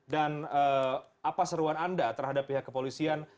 dan apa seruan anda terhadap pihak kepolisian